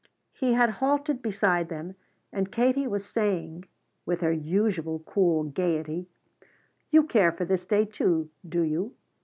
He had halted beside them and Katie was saying, with her usual cool gaiety: "You care for this day, too, do you?